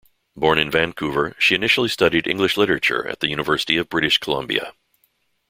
Born in Vancouver, she initially studied English literature at the University of British Columbia.